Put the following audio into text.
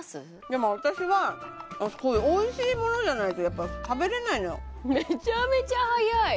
でも私はこういうおいしいものじゃないとやっぱ食べれないのよめちゃめちゃはやい